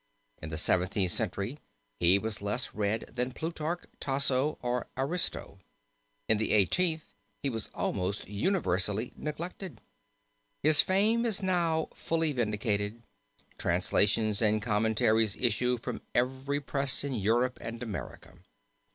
In the Seventeenth Century he was less read than Petrarch, Tasso, or Ariosto; in the Eighteenth he was almost universally neglected. His fame is now fully vindicated. Translations and commentaries issue from every press in Europe and America.